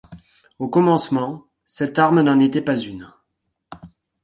Au commencement, cette arme n'en était pas une.